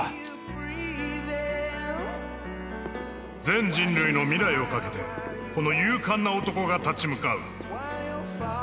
［全人類の未来を懸けてこの勇敢な男が立ち向かう］